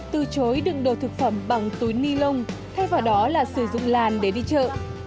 từ chối đựng đồ thực phẩm bằng túi ni lông thay vào đó là sử dụng làn để đi chợ